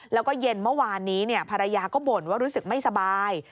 แล้วก็เย็นเมื่อวานนี้ภรรยาก็บ่นว่ารู้สึกไม่สบาย